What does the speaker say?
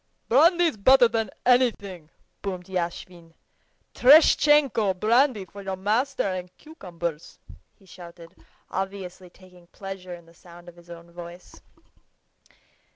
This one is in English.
"Brandy's better than anything," boomed Yashvin. "Tereshtchenko! brandy for your master and cucumbers," he shouted, obviously taking pleasure in the sound of his own voice.